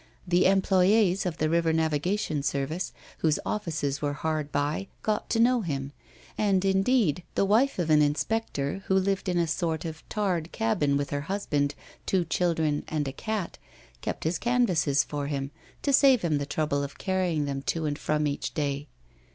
The employes of the river navigation service, whose offices were hard by, got to know him, and, indeed, the wife of an inspector, who lived in a sort of tarred cabin with her husband, two children, and a cat, kept his canvases for him, to save him the trouble of carrying them to and fro each day.